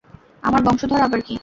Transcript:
আমার বংশধর আবার কি?